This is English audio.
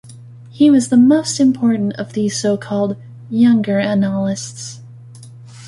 He was the most important of the so-called "younger annalists".